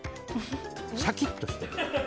シャキッとした。